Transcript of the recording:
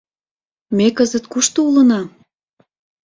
Ме кызыт кушто улына?